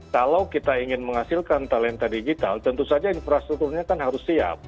kalau kita ingin menghasilkan talenta digital tentu saja infrastrukturnya kan harus siap